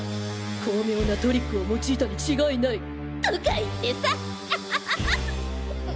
「巧妙なトリックを用いたに違いない」とか言ってさ！